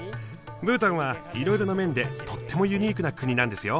ブータンはいろいろな面でとってもユニークな国なんですよ。